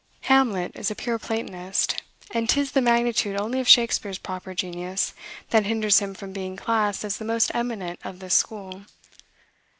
Hamlet is a pure Platonist, and 'tis the magnitude only of Shakspeare's proper genius that hinders him from being classed as the most eminent of this school.